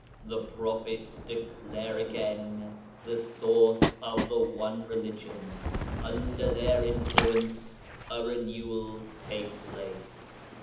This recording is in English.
The prophets declare again the source of the One Religion — under their influence a Renewal takes place.